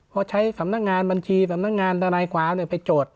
พอใช้สำนักงานบัญชีสำนักงานทนายความไปจด